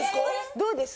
どうです？